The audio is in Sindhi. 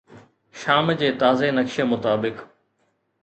شام جي تازي نقشي مطابق